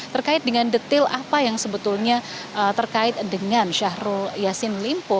terkait dengan detail apa yang sebetulnya terkait dengan syahrul yassin limpo